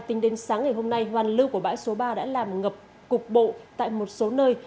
tính đến sáng ngày hôm nay hoàn lưu của bão số ba đã làm ngập cục bộ tại một số nơi